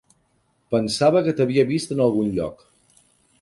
Pensava que t'havia vist en algun lloc.